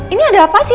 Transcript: ini ada apa sih